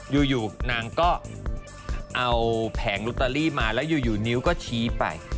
อยู่นางก็เอาแผงลอตเตอรี่มาแล้วอยู่นิ้วก็ชี้ไป